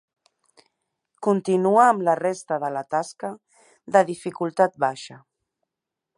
Continua amb la resta de la tasca de dificultat baixa.